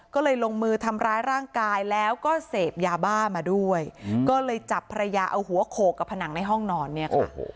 ก็เลยลงมือทำร้ายร่างกายแล้วก็เสพยาบ้ามาด้วยก็เลยจับภรรยาเอาหัวโขกกับผนังในห้องนอนเนี่ยค่ะ